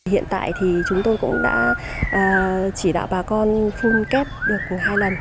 hiện tại thì chúng tôi cũng đã chỉ đạo bà con phun kép được hai lần